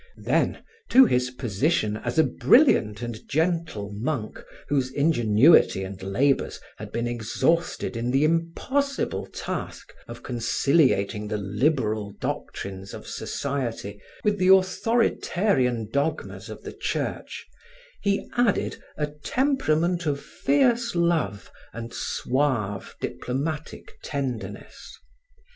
Then, to his position as a brilliant and gentle monk whose ingenuity and labors had been exhausted in the impossible task of conciliating the liberal doctrines of society with the authoritarian dogmas of the Church, he added a temperament of fierce love and suave diplomatic tenderness.